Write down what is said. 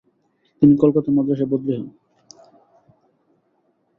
তিনি কলকাতা মাদ্রাসায় বদলী হন।